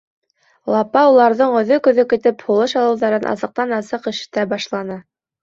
Лапа уларҙың өҙөк-өҙөк итеп һулыш алыуҙарын асыҡтан-асыҡ ишетә башланы.